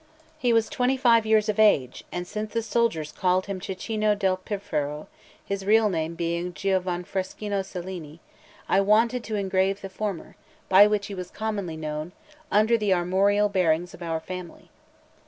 He was twenty five years of age; and since the soldiers called him Cecchino del Piffero, his real name being Giovanfrancesco Cellini, I wanted to engrave the former, by which he was commonly known, under the armorial bearings of our family.